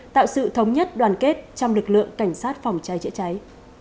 tạo sự thống nhất đoàn kết trong lực lượng cảnh sát phòng cháy chữa cháy